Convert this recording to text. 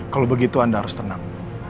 kalau begitu anda harus tenang